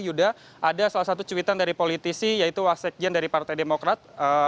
yuda ada salah satu cuitan dari politisi yaitu wasekjen dari partai demokrat